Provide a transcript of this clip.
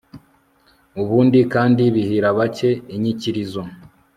ubundi kandi bihira bake inyikirizo